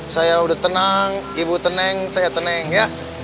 saya udah tenang ibu teneng saya teneng ya